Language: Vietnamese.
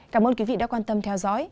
cảm ơn quý vị đã quan tâm theo dõi